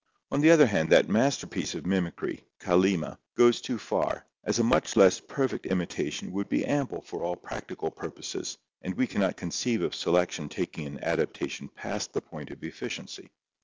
On the other hand, that masterpiece of mimicry, KaUima (see Fig. 37), goes too far, as a much less perfect imitation would be ample for all practical purposes and we can not conceive of selection taking an adaptation past the point of efficiency.